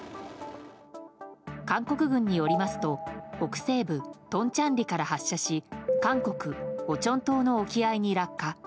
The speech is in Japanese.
韓国軍によりますと北西部トンチャンリから発射し韓国オチョン島の沖合に落下。